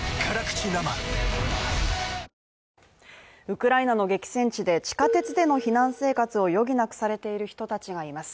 ウクライナの激戦地で地下鉄での避難生活を余儀なくされている人たちがいます。